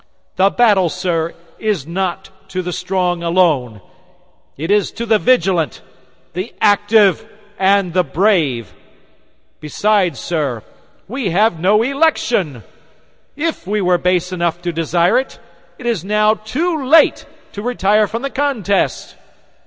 The battle, sir, is not to the strong alone; it is to the vigilant, the active, the brave. Besides, sir, we have no election. If we were base enough to desire it, it is now too late to retire from the contest.